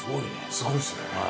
すごいっすね。